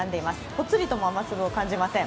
ポツリとも雨粒を感じません。